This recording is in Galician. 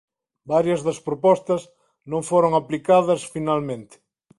Varias das propostas non foron aplicadas finalmente.